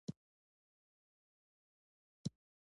افغانستان د کلیو په برخه کې شهرت لري.